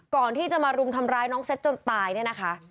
ก่อนที่จะมารุมทำร้ายน้องเซ็ตจนตายเนี่ยนะคะ